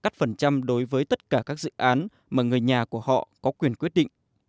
cắt phần trăm đối với tất cả các dự án mà người nhà của họ có quyền quyết định